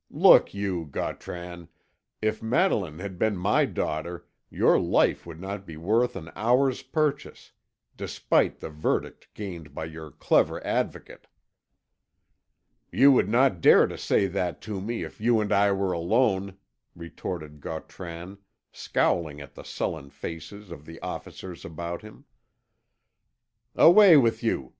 "Look you, Gautran; if Madeline had been my daughter, your life would not be worth an hour's purchase, despite the verdict gained by your clever Advocate." "You would not dare to say that to me if you and I were alone," retorted Gautran, scowling at the sullen faces of the officers about him. "Away with you!"